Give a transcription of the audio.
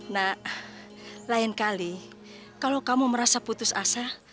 nah lain kali kalau kamu merasa putus asa